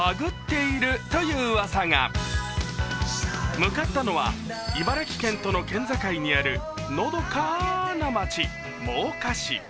向かったのは茨城県との県境にある、のどかな街、真岡市。